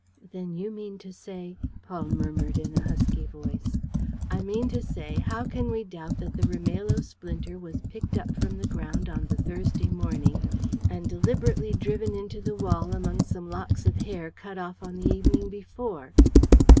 "Then you mean to say. ..." murmured Paul, in a husky voice. "I mean to say, how can we doubt that the Rimailho splinter was picked up from the ground on the Thursday morning and deliberately driven into the wall among some locks of hair cut off on the evening before?"